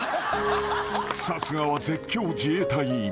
［さすがは絶叫自衛隊員］